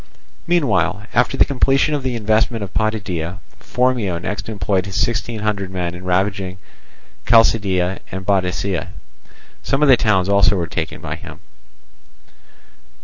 Meanwhile, after the completion of the investment of Potidæa, Phormio next employed his sixteen hundred men in ravaging Chalcidice and Bottica: some of the towns also were taken by him.